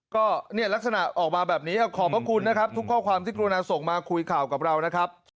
ก็เนี่ยลักษณะออกมาแบบนี้ขอบพระคุณนะครับทุกข้อความที่กรุณาส่งมาคุยข่าวกับเรานะครับ